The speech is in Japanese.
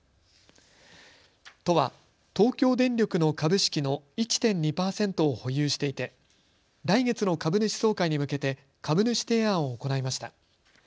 都は東京電力の株式の１．２％を保有していて来月の株主総会に向けて株主提案を行いました。